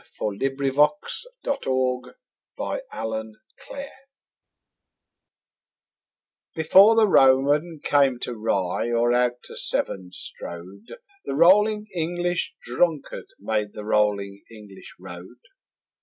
K. Chesterton The Rolling English Road BEFORE the Roman came to Rye or out to Severn strode, The rolling English drunkard made the rolling English road.